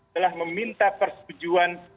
adalah meminta persetujuan